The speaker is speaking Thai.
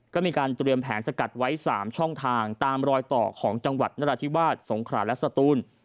ก็มีการเตรียมแผนสกัดไว้๓ช่องทางตามรอยต่อของจังหวัดนราธิวาสสงขราและสตูน